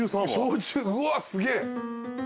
うわぁすげえ。